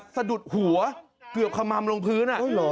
สะดุดหัวเกือบขมัมลงพื้น